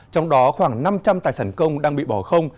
trong đó khoảng năm trăm linh tài sản công đang bị bỏ không